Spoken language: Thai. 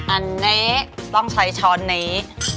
อันนี้ต้องใช้ช้อนนี้